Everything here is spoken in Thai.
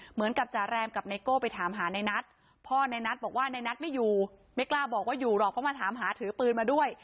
เหมือนกับจาแรมกับไนโก้ไปถามหาในนัทพ่อในนัทบอกว่าในนัทไม่อยู่ไม่กล้าบอกว่าอยู่หรอกเพราะมาถามหาถือปืนมาด้วย